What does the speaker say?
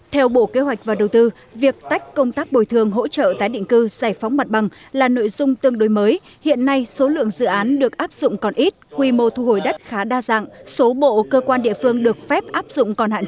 theo bộ kế hoạch và đầu tư việc tách công tác bồi thường hỗ trợ tái định cư giải phóng mặt bằng là nội dung tương đối mới hiện nay số lượng dự án được áp dụng còn ít quy mô thu hồi đất khá đa dạng số bộ cơ quan địa phương được phép áp dụng còn hạn chế